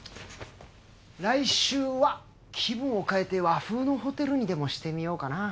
来週は気分を変えて和風のホテルにでもしてみようかなぁ。